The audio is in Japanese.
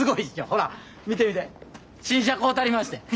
ほら見て見て新車買うたりましてん。